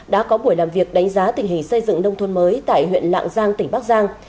đã có buổi làm việc đánh giá tình hình xây dựng nông thôn mới tại huyện lạng giang tỉnh bắc giang